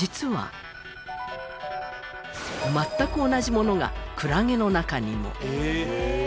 全く同じものがクラゲの中にも。